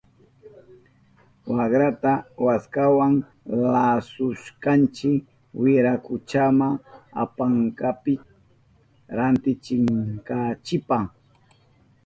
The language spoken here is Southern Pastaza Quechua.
Wakrata waskawa lasushkanchi wirakuchama apananchipa rantichinanchipa.